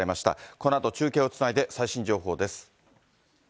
このあと、中継をつないで最新情報です。